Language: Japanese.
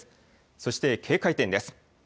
そして警戒点です。